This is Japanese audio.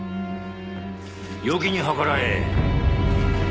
よきにはからえ。